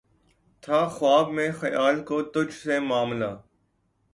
تھا خواب میں خیال کو تجھ سے معاملہ